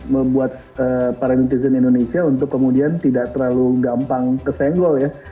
membuat para netizen indonesia untuk kemudian tidak terlalu gampang kesenggol ya